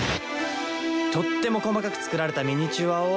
とっても細かく作られたミニチュアを。